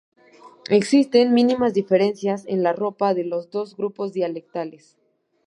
Existen mínimas diferencias en la ropa de los dos grupos dialectales.